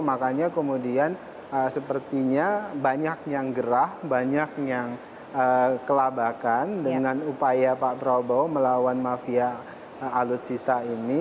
makanya kemudian sepertinya banyak yang gerah banyak yang kelabakan dengan upaya pak prabowo melawan mafia alutsista ini